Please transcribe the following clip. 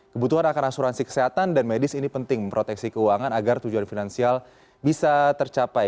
kebutuhan akan asuransi kesehatan dan medis ini penting memproteksi keuangan agar tujuan finansial bisa tercapai